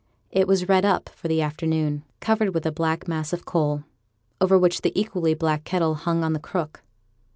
It was 'redd up' for the afternoon; covered with a black mass of coal, over which the equally black kettle hung on the crook.